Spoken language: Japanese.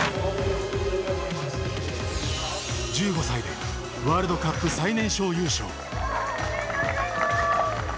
１５歳でワールドカップ最年少優勝。